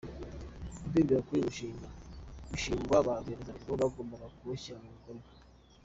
Kudindira k’uyu mushinga bishinjwa ba rwiyemezamirimo bagombaga kuwushyira mu bikorwa.